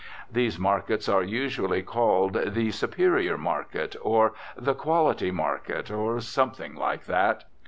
These markets are usually called the "Superior Market," or the "Quality Market," or something like that.